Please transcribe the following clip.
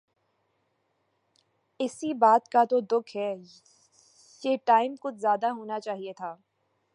اسی بات کا تو دکھ ہے۔ یہ ٹائم کچھ زیادہ ہونا چاہئے تھا